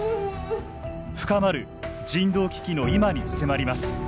深まる人道危機の今に迫ります。